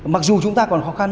mặc dù chúng ta còn khó khăn